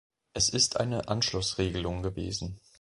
Es ist eine Anschlussregelung gewesen.